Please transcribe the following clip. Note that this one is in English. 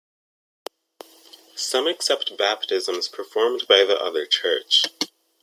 Some accept baptisms performed by the other church.